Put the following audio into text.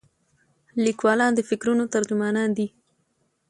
لیکوالان د فکرونو ترجمانان دي.